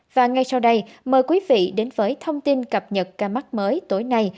và ngay sau đây mời quý vị đến với thông tin cập nhật ca mắc mới tối nay